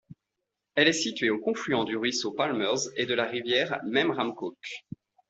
Elle est située au confluent du ruisseau Palmers et de la rivière Memramcook.